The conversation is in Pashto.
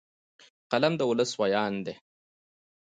قلم د ولس ویاند دی